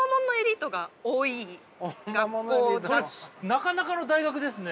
なかなかの大学ですね。